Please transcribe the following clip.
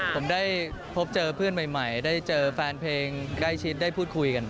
ผมได้พบเจอเพื่อนใหม่ได้เจอแฟนเพลงใกล้ชิดได้พูดคุยกัน